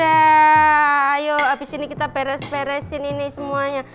ayo abis ini kita beres beresin ini semuanya